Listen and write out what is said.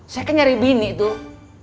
saya kan nyari bini tuh